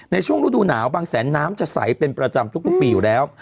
ในช่วงฤดูหนาวบางแสนน้ำจะใสเป็นประจำทุกปีอยู่แล้ว